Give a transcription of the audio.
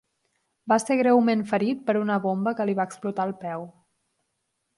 Va ser greument ferit per una bomba que li va explotar al peu.